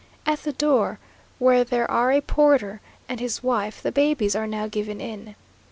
At the door, where there are a porter and his wife, the babies are now given in.